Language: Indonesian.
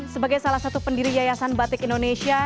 sebagai salah satu pendiri yayasan batik indonesia